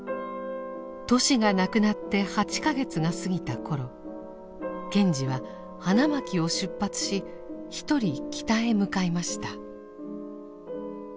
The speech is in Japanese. トシが亡くなって８か月が過ぎた頃賢治は花巻を出発し一人北へ向かいました。